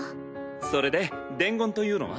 それで伝言というのは？